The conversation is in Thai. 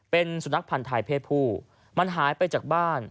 เป็นสุนัขพันธ์ไทยเพศผู้มันหายไปจากบ้าน